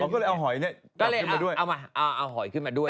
ก็เลยเอาหอยเนี่ยเอาขึ้นมาด้วย